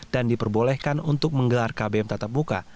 dan diperbolehkan untuk menggelar kbm tetap muka